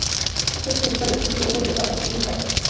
Los principales cultivos son de papa, trigo y plátano